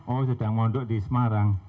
oh sedang mondok di semarang